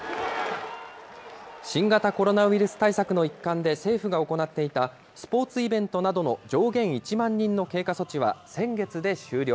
新型コロナウイルス対策の一環で政府が行っていたスポーツイベントなどの上限１万人の経過措置は先月で終了。